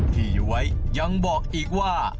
ย้วยยังบอกอีกว่า